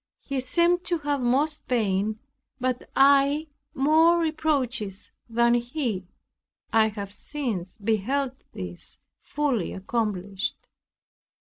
He seemed to have most pain, but I more reproaches than he. I have since beheld this fully accomplished.